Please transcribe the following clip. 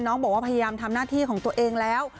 บอกว่าพยายามทำหน้าที่ของตัวเองแล้ว